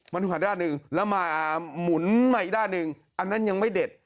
มันหันด้านหนึ่งแล้วมาหมุนมาอีกด้านหนึ่งอันนั้นยังไม่เด็ด